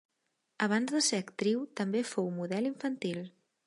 Abans de ser actriu també fou model infantil.